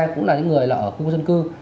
cũng là những người ở khu dân cư